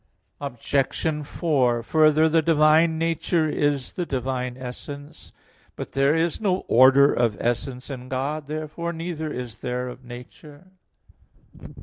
Obj. 4: Further, the divine nature is the divine essence. But there is no order of essence in God. Therefore neither is there of nature.